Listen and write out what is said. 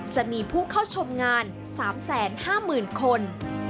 จะมีผู้เข้าชมงาน๓๕๐๐๐คน